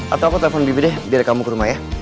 atau aku telpon bibi deh biar kamu ke rumah ya